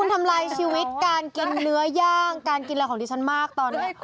ทำลายชีวิตการกินเนื้อย่างการกินอะไรของดิฉันมากตอนนี้